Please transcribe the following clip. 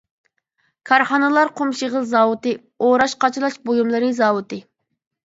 كارخانىلار قۇم-شېغىل زاۋۇتى، ئوراش-قاچىلاش بۇيۇملىرى زاۋۇتى.